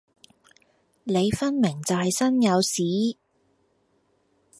你分明就係身有屎